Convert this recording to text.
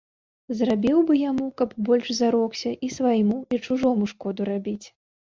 Зрабіў бы яму, каб больш зарокся і свайму і чужому шкоду рабіць.